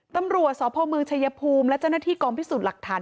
ตำรวจสพเมืองชายภูมิและเจ้าหน้าที่กองพิสูจน์หลักฐาน